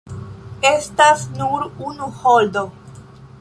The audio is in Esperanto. Estas nur unu holdo.